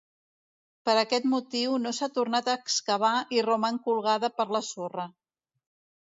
Per aquest motiu no s'ha tornat a excavar i roman colgada per la sorra.